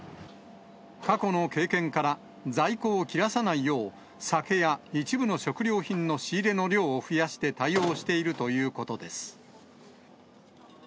過去の経験から、在庫を切らさないよう、酒や一部の食料品の仕入れの量を増やして対応しているということです。